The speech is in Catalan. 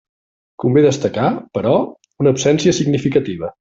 Convé destacar, però, una absència significativa.